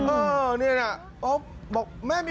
อ้าวนี่แหละ